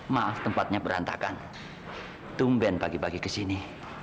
maaf tempatnya berantakan tumben pagi pagi ke sini